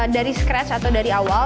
dari scratch atau dari awal